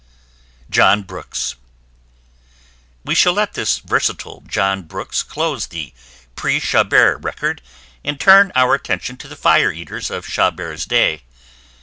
JOHN BROOKS. We shall let this versatile John Brooks close the pre Chabert record and turn our attention to the fire eaters of Chabert's day.